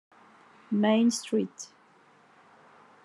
Main Street.